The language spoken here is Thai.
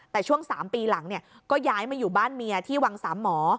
แต่ช่วง๓ปีหลังก็ย้ายมาอยู่บ้านเมียที่วังสามหมอ